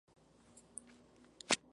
Estudió en una escuela tártara.